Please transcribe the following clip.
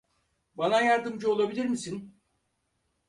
Bana yardımcı olabilir misin?